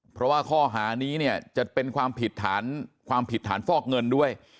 เพราะว่าข้อหานี้เนี่ยจะเป็นความผิดฐานความผิดฐานฟอกเงินด้วย